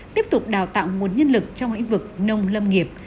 tiếp tục đào tạo nguồn nhân lực trong lĩnh vực nông lâm nghiệp